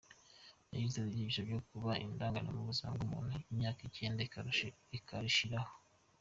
Yagize ati "Ibyigisho ku kuba indangare mu buzima bw’umuntu imyaka icyenda ikagushiriraho.